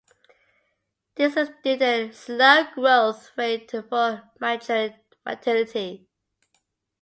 This is due to their slow growth rate to full maturity.